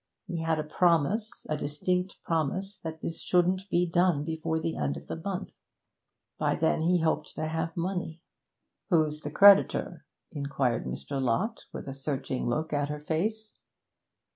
He had a promise a distinct promise that this shouldn't be done before the end of the month. By then he hoped to have money.' 'Who's the creditor?' inquired Mr. Lott, with a searching look at her face.